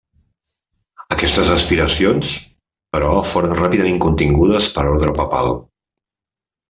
Aquestes aspiracions, però, foren ràpidament contingudes per ordre papal.